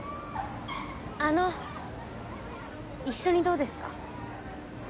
・あの・一緒にどうですか？